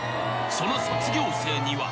［その卒業生には］